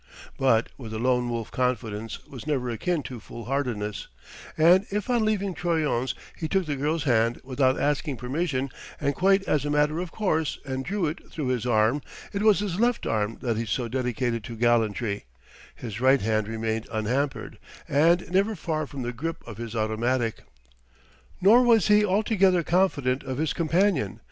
But with the Lone Wolf confidence was never akin to foolhardiness; and if on leaving Troyon's he took the girl's hand without asking permission and quite as a matter of course, and drew it through his arm it was his left arm that he so dedicated to gallantry; his right hand remained unhampered, and never far from the grip of his automatic. Nor was he altogether confident of his companion.